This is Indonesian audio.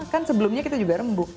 kan sebelumnya kita juga rembuk